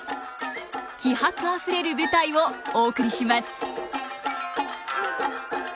気迫あふれる舞台をお送りします。